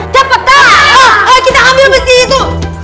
cepetan ayo kita ambil besi itu